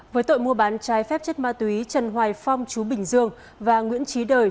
với tội mua bán trái phép chất ma túy trần hoài phong chú bình dương và nguyễn trí đời